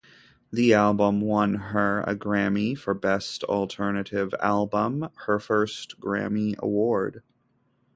The album won her a Grammy for Best Alternative Album, her first Grammy award.